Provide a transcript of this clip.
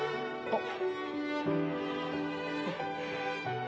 あっ。